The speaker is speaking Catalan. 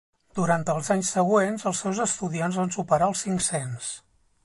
Durant els anys següents els seus estudiants van superar els cinc-cents.